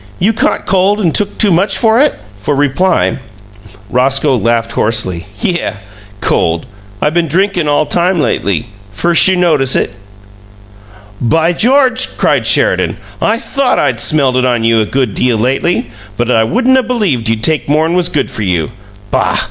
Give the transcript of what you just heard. "You caught cold and took too much for it?" For reply Roscoe laughed hoarsely. "Yeuh! Cold! I been drinkun all time, lately. Firs' you notice it?" "By George!" cried Sheridan. "I THOUGHT I'd smelt it on you a good deal lately, but I wouldn't 'a' believed you'd take more'n was good for you. Boh!